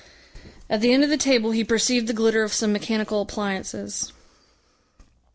At the end of the table he perceived the glitter of some mechanical appliances.